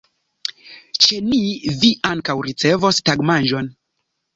Ĉe ni vi ankaŭ ricevos tagmanĝon.